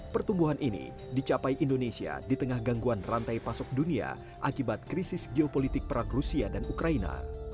pertumbuhan ini dicapai indonesia di tengah gangguan rantai pasok dunia akibat krisis geopolitik perang rusia dan ukraina